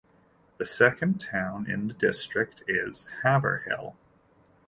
The second town in the district is Haverhill.